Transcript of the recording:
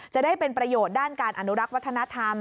จะได้เป็นประโยชน์ด้านการอนุรักษ์วัฒนธรรม